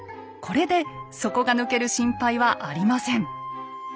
これで底が抜ける心配はありません！